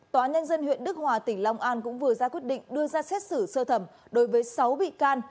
tòa nhân dân huyện đức hòa tỉnh long an cũng vừa ra quyết định đưa ra xét xử sơ thẩm đối với sáu bị can